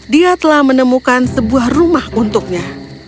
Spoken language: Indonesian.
dia telah menemukan sebuah rumah untuknya